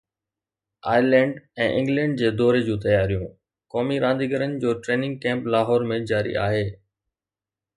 Ireland ۽ England جي دوري جون تياريون، قومي رانديگرن جو ٽريننگ ڪيمپ لاهور ۾ جاري آهي